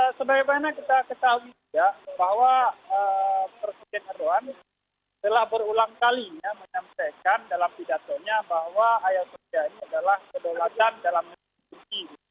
nah sebagaimana kita ketahui juga bahwa presiden erdogan telah berulang kalinya menyampaikan dalam pidatonya bahwa haya sofia ini adalah kedaulatan dalam masjid